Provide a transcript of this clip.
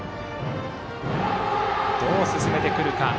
どう進めてくるか。